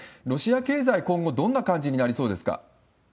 ロシア経済、今後どんな感じになりそうですか？